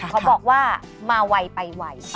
เขาบอกว่ามาไวไปไว